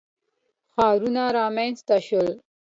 ښارونه رامنځته شول.